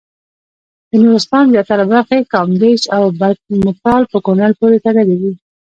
د نورستان زیاتره برخې کامدېش او برګمټال په کونړ پورې تړلې وې.